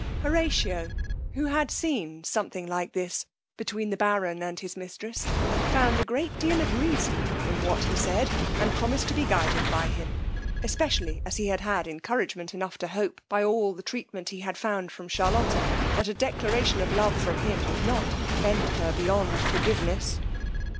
Horatio, who had seen something like this between the baron and his mistress, found a great deal of reason in what he said, and promised to be guided by him, especially as he had encouragement enough to hope, by all the treatment he had found from Charlotta, that a declaration of love from him would not offend her beyond forgiveness.